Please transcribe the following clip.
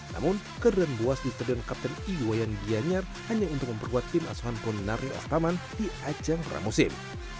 namun keadaan boas di stadion kapten iwayan dianyar hanya untuk memperkuat tim asal samparinda di acara musim